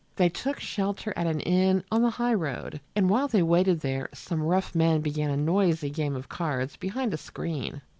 They took shelter at an inn on the highroad, and while they waited there some rough men began a noisy game of cards behind a screen.